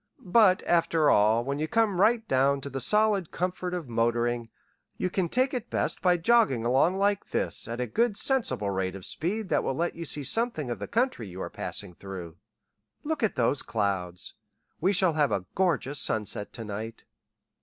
But, after all, when you come right down to the solid comfort of motoring, you can take it best by jogging along like this at a good sensible rate of speed that will let you see something of the country you are passing through. Look at those clouds. We shall have a gorgeous sunset to night."